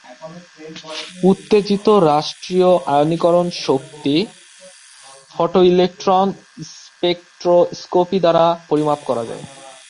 উত্তেজিত-রাষ্ট্রীয় আয়নীকরণ শক্তি photoelectron spectroscopy দ্বারা পরিমাপ করা যায়।